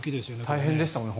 大変でしたよね。